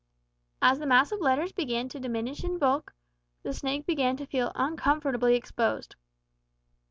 As the mass of letters began to diminish in bulk the snake began to feel uncomfortably exposed.